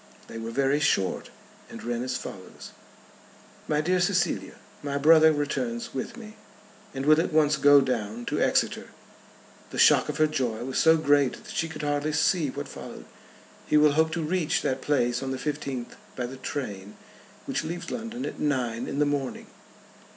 They were very short, and ran as follows: "My dear Cecilia, my brother returns with me, and will at once go down to Exeter." The shock of her joy was so great that she could hardly see what followed. "He will hope to reach that place on the fifteenth by the train which leaves London at nine in the morning."